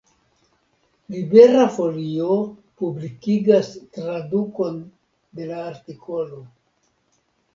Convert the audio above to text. Libera Folio publikigas tradukon de la artikolo.